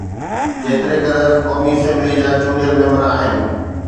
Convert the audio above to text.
جيتري قدر قومي اسيمبليءَ جا چونڊيل ميمبر آهن.